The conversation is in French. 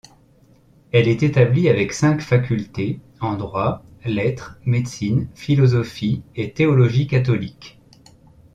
Elle est établie avec cinq facultés, en droit, lettres, médecine, philosophie et théologie catholique.